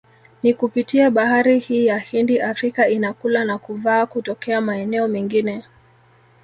Ni kupitia bahari hii ya Hindi Afrika inakula na kuvaa kutokea maeneo mengine